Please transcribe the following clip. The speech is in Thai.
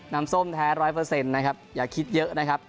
น้ำส้มแท้ร้อยเปอร์เซ็นต์นะครับอย่าคิดเยอะนะครับ